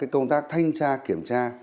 công tác thanh tra kiểm tra